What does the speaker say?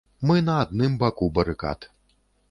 Мы на адным баку барыкад.